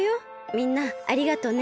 みんなありがとね。